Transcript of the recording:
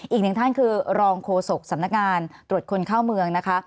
อีกหนึ่งท่านคือรองโฆษกสำนักงานตรวจคนเข้าเมืองนะคะ